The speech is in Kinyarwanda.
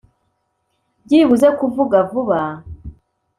byibuze kuvuga vuba